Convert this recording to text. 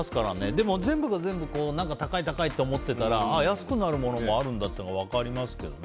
でも、全部が全部高い、高いって思ってたら安くなるのもあるんだって分かりますけどね。